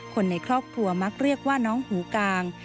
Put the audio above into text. คนในครอบครัวมักเรียกว่าน้องหูกลาง